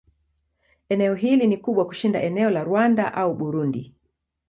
Eneo hili ni kubwa kushinda eneo la Rwanda au Burundi.